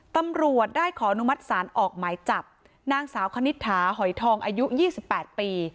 ตำรวจได้ขออนุมัติศาลออกหมายจับนางสาวคณิตถาหอยทองอายุ๒๘ปี